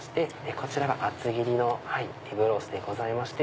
こちらが厚切りのリブロースでございまして。